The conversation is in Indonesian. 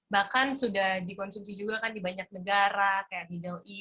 bahkan sudah dikonsumsi juga kan di banyak negara kayak middle east negara negara middle east turki gitu